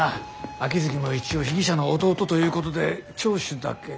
秋月も一応被疑者の弟ということで聴取だけ。